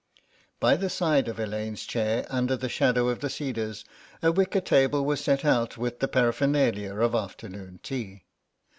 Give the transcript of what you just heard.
By the side of Elaine's chair under the shadow of the cedars a wicker table was set out with the paraphernalia of afternoon tea.